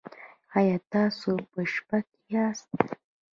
ایا تاسو په شپه کې یاست؟